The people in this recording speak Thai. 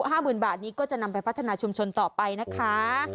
สาธุ๕๐๐๐๐บาทนี้ก็จะนำไปพัฒนาชุมชนต่อไปนะคะ